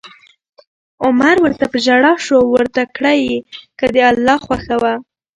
عمر ورته په ژړا شو او ورته کړه یې: که د الله خوښه وه